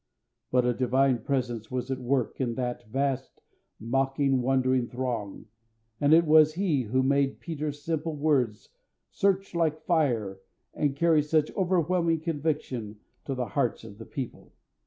But a Divine Presence was at work in that vast, mocking, wondering throng, and it was He who made Peter's simple words search like fire, and carry such overwhelming conviction to the hearts of the people.